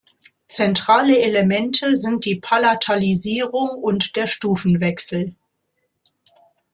Zentrale Elemente sind die Palatalisierung und der Stufenwechsel.